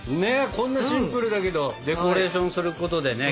こんなシンプルだけどデコレーションすることでね